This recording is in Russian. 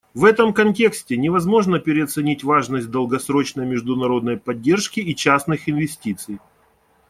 В этом контексте невозможно переоценить важность долгосрочной международной поддержки и частных инвестиций.